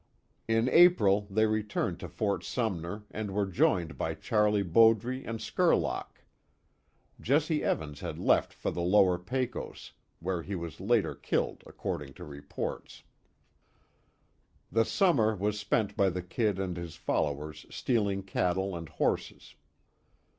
In April, they returned to Fort Sumner and were joined by Charlie Bowdre and Skurlock. Jesse Evans had left for the lower Pecos, where he was later killed, according to reports. The summer was spent by the "Kid" and his followers stealing cattle and horses.